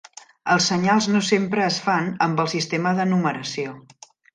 Els senyals no sempre es fan amb el sistema de numeració.